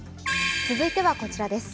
続いてはこちらです。